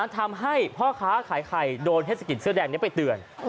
ทำให้พ่อค้าขายไข่โดนเทศกิจเสื้อแดงนี้ไปเตือน